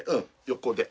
横で。